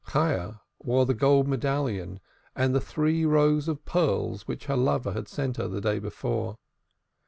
Chayah wore the gold medallion and the three rows of pearls which her lover had sent her the day before.